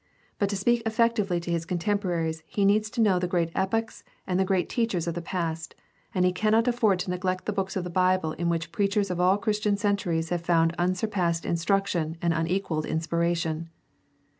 But to speak effectively to his contemporaries he needs to know the great epochs and the great teachers of the past, and he cannot afford to neglect the books of the Bible in which preachers of all the Christian centuries have found unsurpassed instruc tion and unequaled inspiration.